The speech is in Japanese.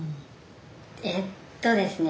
「えっとですね